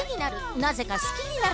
なぜか好きになる！